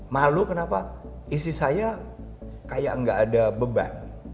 malu kenapa istri saya kayak gak ada beban